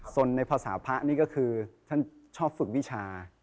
ในภาษาพระนี่ก็คือท่านชอบฝึกวิชา